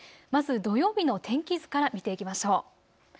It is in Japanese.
まず土曜日の天気図から見ていきましょう。